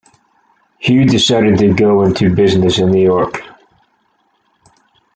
Hugh decided to go into business in New York.